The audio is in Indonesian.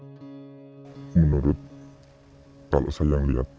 sebenarnya ada yang menyarankan untuk melakukan ritual yang lebih ekstrim